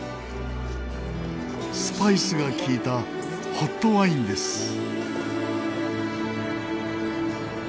スパイスが利いたホットワインです。